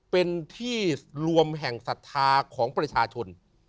เป็นที่รวมแห่งศรัทธาของประชาชน